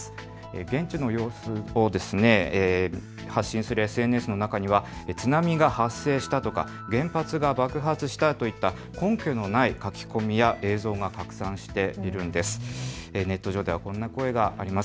現地の様子を発信するＳＮＳの中には津波が発生したとか、原発が爆発したといった根拠のない書き込みや映像が拡散しているんです。